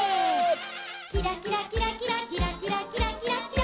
「キラキラキラキラキラキラキラキラキラ！